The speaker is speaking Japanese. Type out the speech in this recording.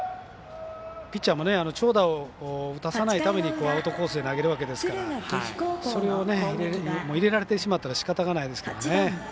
ピッチャーも長打を打たさないためにアウトコースへ投げるわけですからそれを入れられてしまったらしかたないですからね。